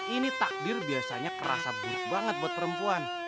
ini takdir biasanya kerasa buruk banget buat perempuan